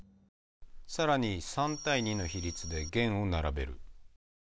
更に３対２の比率で弦を並べる。